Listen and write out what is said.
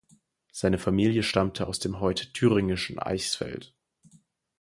Seine Familie stammte aus dem heute thüringischen Eichsfeld.